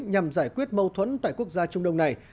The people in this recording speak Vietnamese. nhằm giải quyết mâu thuẫn tại quốc gia trung đông này